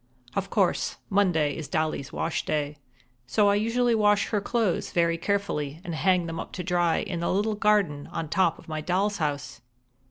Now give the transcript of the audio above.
Of course, Monday is Dolly's wash day, so I usually wash her clothes very carefully and hang them up to dry in the little garden on top of my doll's house.